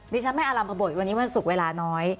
ดิฉันไม่อารัมภบทวันนี้วันศุกร์เวลาน้อย